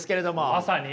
まさに？